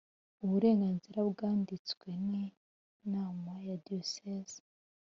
uburenganzira bwanditswe n Inama ya Diyoseze